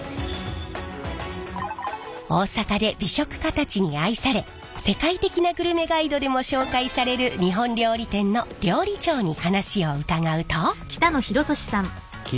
大阪で美食家たちに愛され世界的なグルメガイドでも紹介される日本料理店の料理長に話を伺うと。